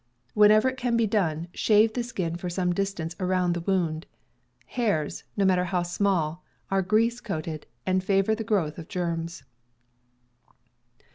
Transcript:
Whenever it can be done, shave the skin for some dis tance around the wound. Hairs, no matter how small, are grease coated and favor the growth of germs.